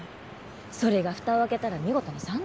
それが蓋を開けたら見事な三段跳び。